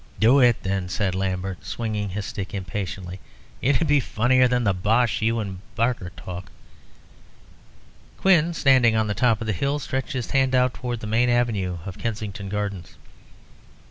"Do it, then," said Lambert, swinging his stick impatiently. "It would be funnier than the bosh you and Barker talk." Quin, standing on the top of the hill, stretched his hand out towards the main avenue of Kensington Gardens.